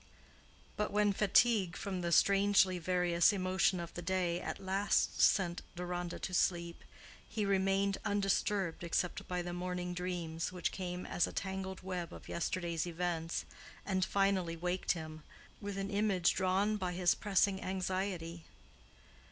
But when fatigue from the strangely various emotion of the day at last sent Deronda to sleep, he remained undisturbed except by the morning dreams, which came as a tangled web of yesterday's events, and finally waked him, with an image drawn by his pressing anxiety.